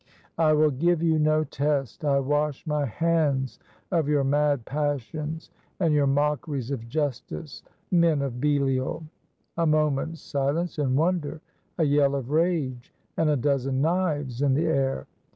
"I will give you no test. I wash my hands of your mad passions, and your mockeries of justice, men of Belial!" A moment's silence and wonder, a yell of rage, and a dozen knives in the air.